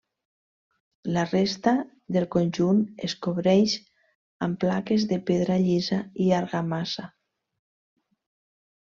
La resta del conjunt es cobreix amb plaques de pedra llisa i argamassa.